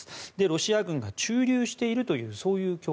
ロシア軍が駐留しているという自称